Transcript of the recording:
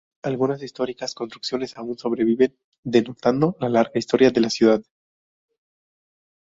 Algunas históricas construcciones aún sobreviven, denotando la larga historia de la ciudad.